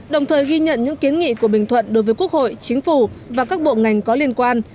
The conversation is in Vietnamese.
đồng thời ghi nhận những kiến nghị của bình thuận đối với quốc hội chính phủ và các bộ ngành có liên quan